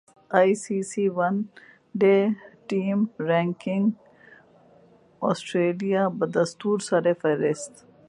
ائی C C one day team رینکنگاسٹریلیا بدستورسرفہرست